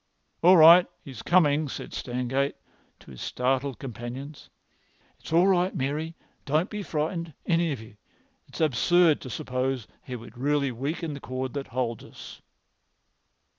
"All right, he's coming," said Stangate to his startled companions. "It's all right, Mary. Don't be frightened, any of you. It's absurd to suppose he would really weaken the cord that holds us."